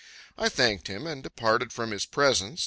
I thanked him and departed from his presence.